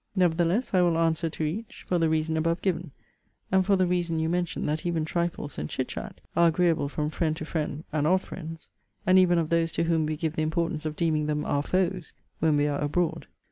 Nevertheless I will answer to each, for the reason above given; and for the reason you mention, that even trifles, and chit chat, are agreeable from friend to friend, and of friends, and even of those to whom we give the importance of deeming them our foes, when we are abroad.